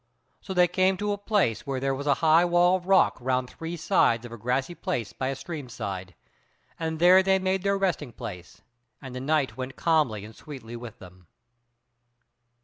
So they came to a place where there was a high wall of rock round three sides of a grassy place by a stream side, and there they made their resting place, and the night went calmly and sweetly with them.